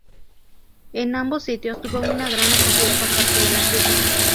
En ambos sitios tuvo una gran acogida por parte de la crítica.